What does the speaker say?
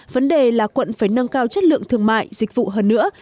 vấn đề là quận phải nâng cao chất lượng thương mại dịch vụ hơn nữa